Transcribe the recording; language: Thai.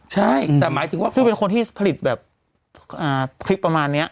ใช่แต่หมายถึงว่าซึ่งเป็นคนที่ผลิตแบบคลิปประมาณนี้